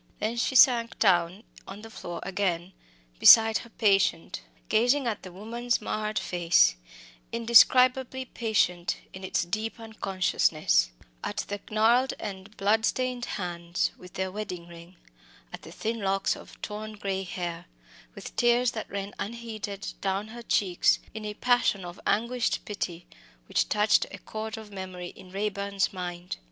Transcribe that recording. Then she sank down on the floor again beside her patient, gazing at the woman's marred face indescribably patient in its deep unconsciousness at the gnarled and bloodstained hands, with their wedding ring; at the thin locks of torn grey hair with tears that ran unheeded down her cheeks, in a passion of anguished pity, which touched a chord of memory in Raeburn's mind.